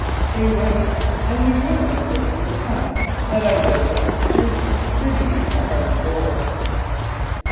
He wept, and we realized for the first time that under a rough exterior there beat a heart of gold.